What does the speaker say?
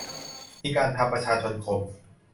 มีการทำประชาชนคม